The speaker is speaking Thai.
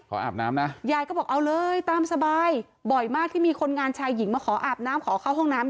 อาบน้ำนะยายก็บอกเอาเลยตามสบายบ่อยมากที่มีคนงานชายหญิงมาขออาบน้ำขอเข้าห้องน้ำ